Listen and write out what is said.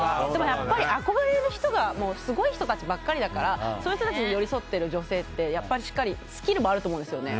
やっぱり憧れる人がすごい人たちばかりだからそういう人たちに寄り添っている女性ってやっぱりしっかりスキルもあると思うんですよね。